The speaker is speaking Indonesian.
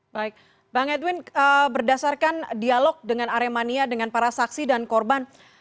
baik bang edwin berdasarkan dialog dengan aremania dengan para saksi dan korban